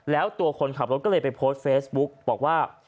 แล้วตัวคนขับรถก็เลยไปโพสต์เฟซบุ๊กบอกว่า